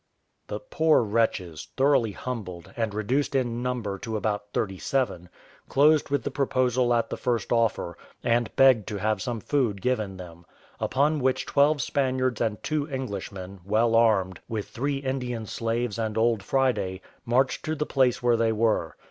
The poor wretches, thoroughly humbled, and reduced in number to about thirty seven, closed with the proposal at the first offer, and begged to have some food given them; upon which twelve Spaniards and two Englishmen, well armed, with three Indian slaves and old Friday, marched to the place where they were.